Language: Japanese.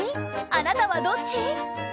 あなたはどっち？